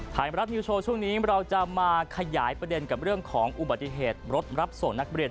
ไทยรัฐนิวโชว์ช่วงนี้เราจะมาขยายประเด็นกับเรื่องของอุบัติเหตุรถรับส่งนักเรียน